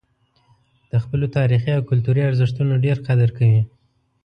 د خپلو تاریخي او کلتوري ارزښتونو ډېر قدر کوي.